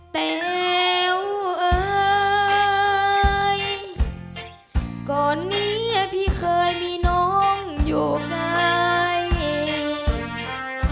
แต๋วเอ่ยก่อนนี้พี่เคยมีน้องอยู่ไหม